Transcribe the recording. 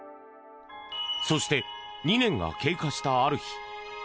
そして、２年が経過したある日。